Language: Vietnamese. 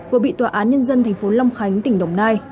của bị tòa án nhân dân tp long khánh tỉnh đồng nai